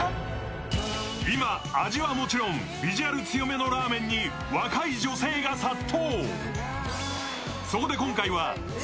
今、味はもちろんビジュアル強めのラーメンに若い女性が殺到。